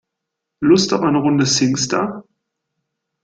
Lust auf eine Runde Singstar?